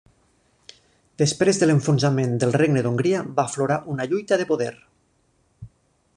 Després de l'enfonsament del Regne d'Hongria va aflorar una lluita de poder.